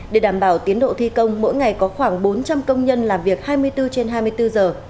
để đảm bảo tiến độ thi công mỗi ngày có khoảng bốn trăm linh công nhân làm việc hai mươi bốn trên hai mươi bốn giờ